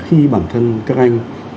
khi bản thân các anh